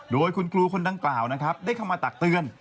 โดยคุณครูคนดังกล่าวนะครับได้เข้ามาตักเตือน